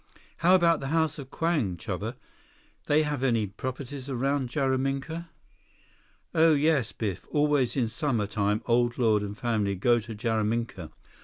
"How about the House of Kwang, Chuba? They have any properties around Jaraminka?" "Oh yes, Biff, always in summer time Old Lord and family go to Jaraminka.